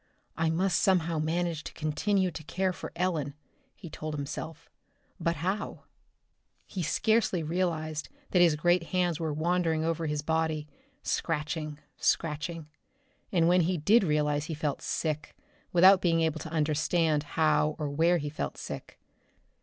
"I must somehow manage to continue to care for Ellen," he told himself. "But how?" He scarcely realized that his great hands were wandering over his body, scratching, scratching. But when he did realize he felt sick, without being able to understand how or where he felt sick.